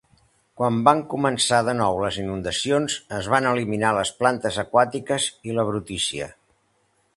Quan van començar de nou les inundacions, es van eliminar les plantes aquàtiques i la brutícia.